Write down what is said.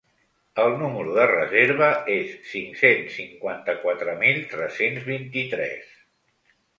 El numero de reserva es cinc-cents cinquanta-quatre mil tres-cents vint-i-tres.